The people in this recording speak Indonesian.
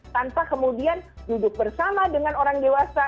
tanpa kemudian duduk bersama dengan orang dewasa